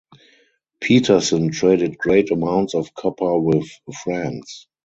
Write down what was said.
Petersen traded great amounts of copper with France.